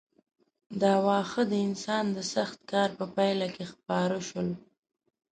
دا واښه د انسان د سخت کار په پایله کې خپاره شول.